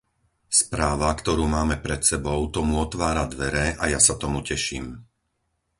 Správa, ktorú máme pred sebou, tomu otvára dvere a ja sa tomu teším.